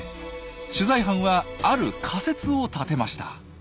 取材班はある仮説を立てました。